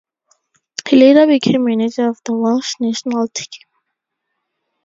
He later became manager of the Welsh national team.